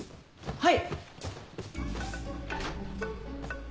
はい！